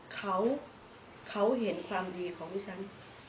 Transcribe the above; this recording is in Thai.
เขาเขาเห็นความดีของดีจันต์